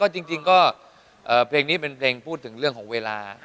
จริงก็เพลงนี้เป็นเพลงพูดถึงเรื่องของเวลา